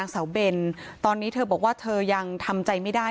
สาวเบนตอนนี้เธอบอกว่าเธอยังทำใจไม่ได้